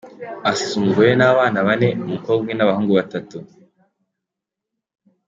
Asize umugore n’abana bane, umukobwa umwe n’abahungu batatu.